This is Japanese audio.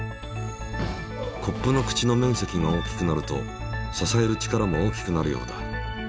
コップの口の面積が大きくなると支える力も大きくなるようだ。